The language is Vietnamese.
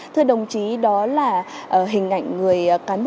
thưa đồng chí đó là hình ảnh người cán bộ